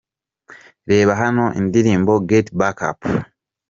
Reba hano indirimbo Get Back Up.